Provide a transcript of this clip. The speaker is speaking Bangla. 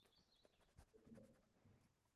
তিনি একটু অদ্ভুতস্বভাবের ব্যক্তি ছিলেন ।